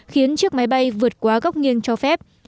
khiến chiếc máy bay vượt quá góc nghiêng cho phép